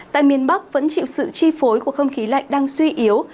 tại miền bắc vẫn chịu sự chi phối của không khí lạnh đang suy yếu